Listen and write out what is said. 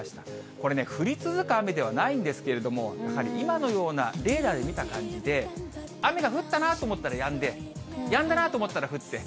これね、降り続く雨ではないんですけれども、やはり今のようなレーダーで見た感じで、雨が降ったなと思ったらやんで、やんだなと思ったら降って。